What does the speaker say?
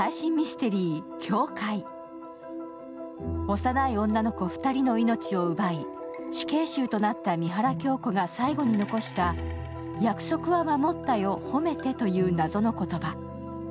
幼い女の子２人の命を奪い、死刑囚となった三原響子が最後に残した「約束は守ったよ、褒めて」という謎の言葉。